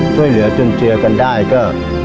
ช่วยเหลือจนเจอกันได้ก็